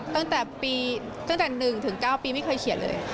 ตั้งแต่๑๙ปีไม่เคยเขียนเลย